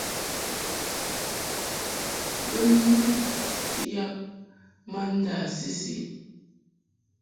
Bo nɨŋ yam ma ndâ-sisi.